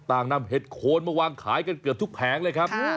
ต่างนำเห็ดโคนมาวางขายกันเกือบทุกแผงเลยครับ